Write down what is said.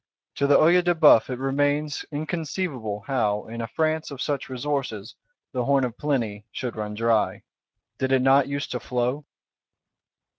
To the Œil de Bœuf it remains inconceivable how, in a France of such resources, the Horn of Plenty should run dry: did it not use to flow?